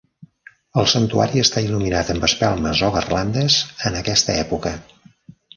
El santuari està il·luminat amb espelmes o garlandes en aquesta època.